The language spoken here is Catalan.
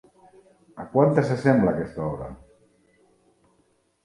A quantes s'assembla aquesta obra?